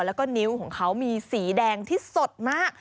แล้วก็นิ้วของเขามีสีแดงที่สดมาก